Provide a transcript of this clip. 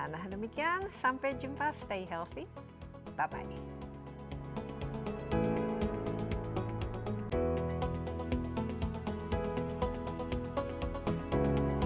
nah demikian sampai jumpa stay healthy bye bye